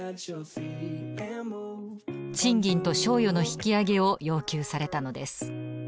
賃金と賞与の引き上げを要求されたのです。